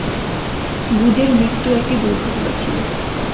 গুজের মৃত্যু একটা দুর্ঘটনা ছিল।